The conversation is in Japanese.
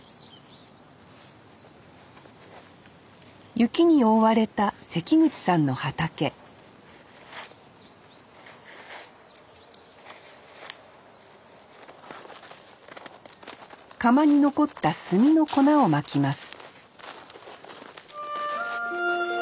雪に覆われた関口さんの畑窯に残った炭の粉をまきます